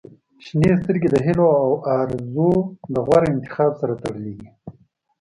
• شنې سترګې د هیلو او آرزووو د غوره انتخاب سره تړلې دي.